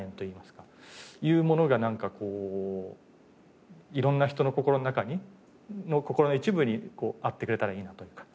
いうものがなんかこう色んな人の心の中に心の一部にあってくれたらいいなというか。